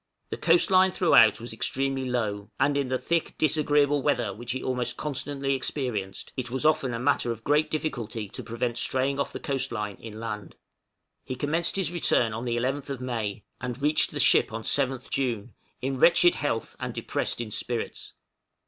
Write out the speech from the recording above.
The coast line throughout was extremely low; and in the thick disagreeable weather which he almost constantly experienced, it was often a matter of great difficulty to prevent straying off the coast line inland. He commenced his return on the 11th May, and reached the ship on 7th June, in wretched health and depressed in spirits.